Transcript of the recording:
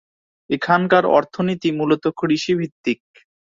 এখানকার অর্থনীতি মূলত কৃষিভিত্তিক।